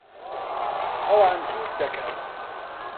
ئەوان جووت دەکەن.